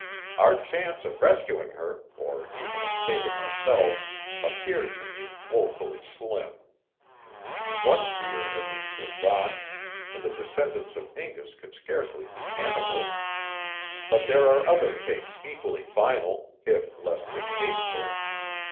Our chance of rescuing her, or even of saving ourselves, appeared to me woefully slim. One fear at least was gone, for the descendants of Incas could scarcely be cannibals; but there are other fates equally final, if less distasteful.